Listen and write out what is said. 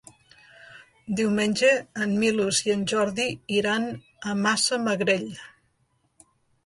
Diumenge en Milos i en Jordi iran a Massamagrell.